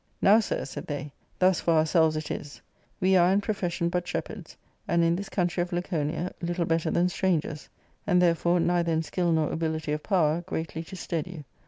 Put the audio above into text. Now, sir," said they, " thus for ourselves it is : we are, in^ profession, but shepherds, and, in this countryof Laconia. little better than strangers, and, therefore, neither in skill'nor ability of power greatly to stead you.